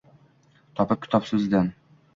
Topib kitob so’zidan